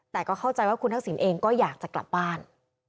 แต่ก็เข้าใจว่าคุณทักษิณเองก็อยากจะกลับบ้าน